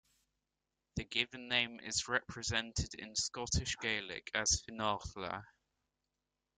The given name is represented in Scottish Gaelic as Fionnlagh.